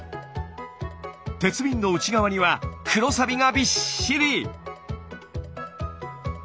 鉄瓶の内側には黒サビがびっしり！